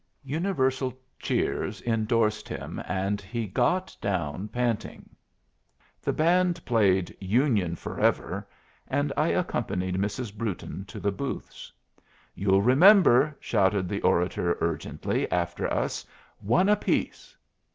Universal cheers endorsed him, and he got down panting. The band played "Union Forever," and I accompanied Mrs. Brewton to the booths. "You'll remember!" shouted the orator urgently after us; "one apiece."